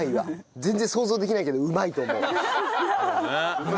全然想像できないけどうまいと思う。